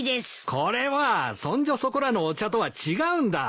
これはそんじょそこらのお茶とは違うんだ。